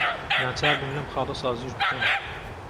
ناچار بووم لەم خاڵە سازش بکەم.